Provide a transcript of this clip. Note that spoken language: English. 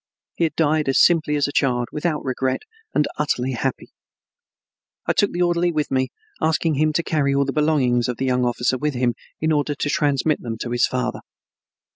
He had died as simply as a child, without regret, and utterly happy. I took the orderly with me, asking him to carry all the belongings of the young officer with him in order to transmit them to his father.